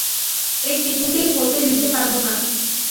এ কিছুতেই হতে দিতে পারব না!